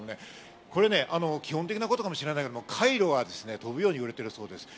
基本的なことかもしれないけど、カイロが飛ぶように売れてるそうです。